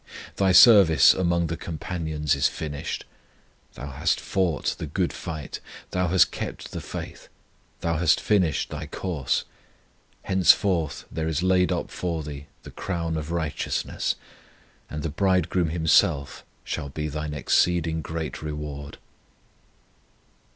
Thy service among the companions is finished; thou hast fought the good fight, thou hast kept the faith, thou hast finished thy course; henceforth there is laid up for thee the crown of righteousness, and the Bridegroom Himself shall be thine exceeding great reward!